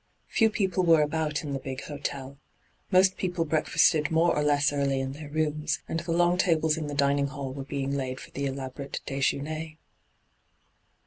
Few people were about in the big hotel. Most people break fasted more or less early in their rooms, and the long tables in the dining hall were being laid for the elaborate dSjeuner.